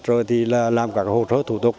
rồi làm các hỗ trợ thủ tục